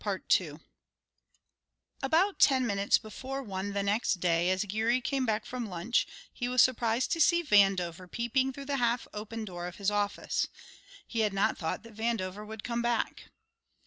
About ten minutes before one the next day as Geary came back from lunch he was surprised to see Vandover peeping through the half open door of his office. He had not thought that Vandover would come back.